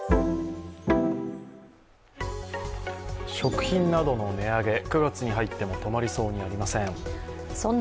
食品などの値上げ、９月に入っても止まりそうにありません。